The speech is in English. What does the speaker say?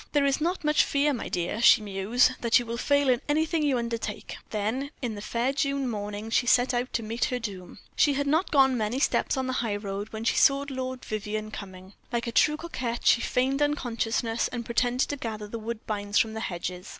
"There is not much fear, my dear," she mused, "that you will fail in anything you undertake." Then, in the fair June morning, she went out to meet her doom. She had not gone many steps on the high road when she saw Lord Vivianne coming. Like a true coquette she feigned unconsciousness, and pretended to gather the woodbines from the hedges.